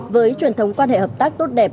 với truyền thống quan hệ hợp tác tốt đẹp